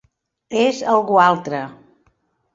És algú altre.